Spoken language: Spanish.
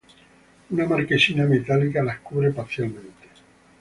Una marquesina metálica las cubre parcialmente.